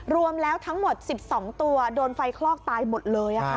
รวมแล้วทั้งหมด๑๒ตัวโดนไฟคลอกตายหมดเลย